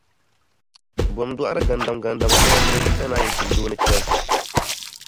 Bɔm dɔɣiri gandamgandam soya pɔi ka naayi pili dooni kpɛbu.